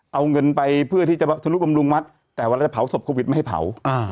เอาเงินไปเพื่อที่จะทะลุบำรุงวัดแต่เวลาจะเผาศพโควิดไม่ให้เผา